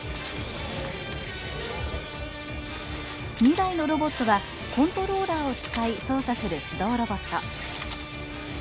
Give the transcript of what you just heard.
２台のロボットはコントローラーを使い操作する手動ロボット。